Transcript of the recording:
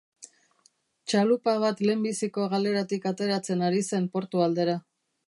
Txalupa bat lehenbiziko galeratik ateratzen ari zen portu aldera.